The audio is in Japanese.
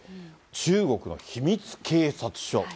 中国の秘密警察署。